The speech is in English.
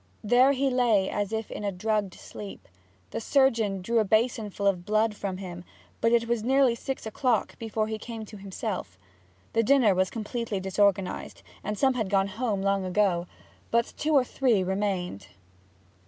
There he lay as if in a drugged sleep. The surgeon drew a basin full of blood from him, but it was nearly six o'clock before he came to himself. The dinner was completely disorganized, and some had gone home long ago; but two or three remained.